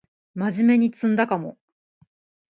まじめに詰んだかも